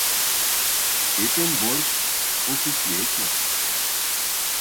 І тым больш у сусвеце.